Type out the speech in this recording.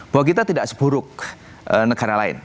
bahwa kita tidak seburuk negara lain